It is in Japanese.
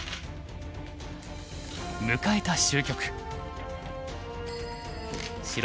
迎えた終局。